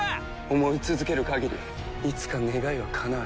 思い続ける限りいつか願いはかなう。